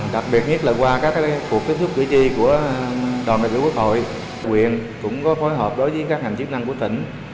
đặc biệt nhất là qua các cuộc kết thúc cử tri của đoàn đại biểu quốc hội quyện cũng có phối hợp đối với các hành chức năng của tỉnh